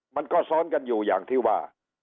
มันก็ซ้อนกันอยู่อย่างที่ว่า